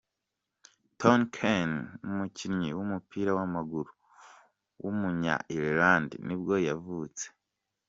Tony Kane, umukinnyi w’umupira w’amaguru w’umunya Ireland nibwo yavutse.